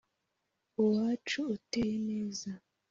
uwacu uteye neza